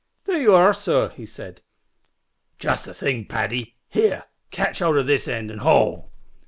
"There ye are, sor," said he. "Just the thing, Paddy. Here, catch hold of this end of it an' haul."